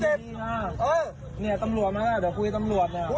ทหารเตอร์ไซต์คู่กับทหารเมาขี่จักรยานยนต์